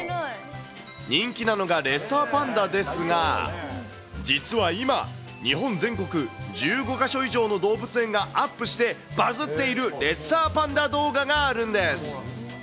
人気なのが、レッサーパンダですが、実は今、日本全国１５か所以上の動物園がアップして、バズっているレッサーパンダ動画があるんです。